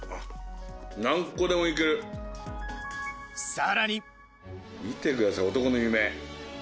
さらに見てください男の夢。